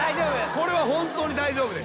これは本当に大丈夫です。